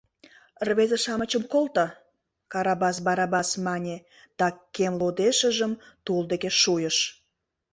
Рвезе-шамычым колто, — Карабас Барабас мане да кем лодешыжым тул дек шуйыш.